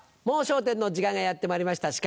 『もう笑点』の時間がやってまいりました。